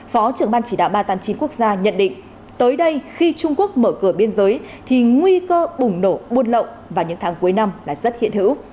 phó trưởng ban chỉ đạo ba trăm tám mươi chín quốc gia nhận định tới đây khi trung quốc mở cửa biên giới thì nguy cơ bùng nổ buôn lậu vào những tháng cuối năm là rất hiện hữu